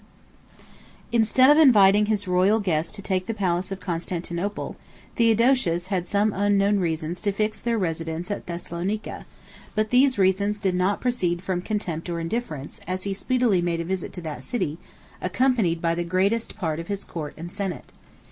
] Instead of inviting his royal guests to take the palace of Constantinople, Theodosius had some unknown reasons to fix their residence at Thessalonica; but these reasons did not proceed from contempt or indifference, as he speedily made a visit to that city, accompanied by the greatest part of his court and senate.